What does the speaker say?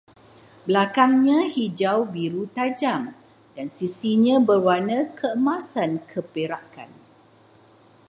Belakangnya hijau-biru tajam, dan sisinya berwarna keemasan-keperakan